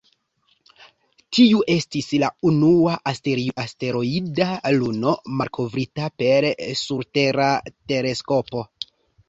Tiu estis la unua asteroida luno malkovrita per surtera teleskopo.